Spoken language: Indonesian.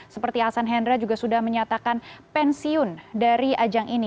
seperti hasan hendra juga sudah menyatakan pensiun dari ajang ini